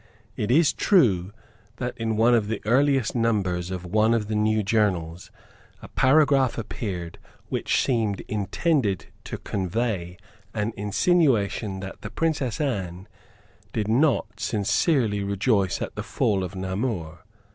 It is true that, in one of the earliest numbers of one of the new journals, a paragraph appeared which seemed intended to convey an insinuation that the Princess Anne did not sincerely rejoice at the fall of Namur.